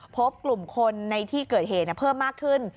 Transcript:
พบกลุ่มคนในที่เกิดเหตุเพิ่มมากขึ้น